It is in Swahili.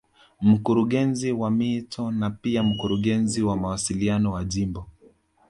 Mkurungezi wa miito na pia Mkurungezi wa mawasiliano wa Jimbo